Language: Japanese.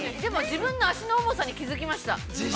自分の脚の重さに気づきました。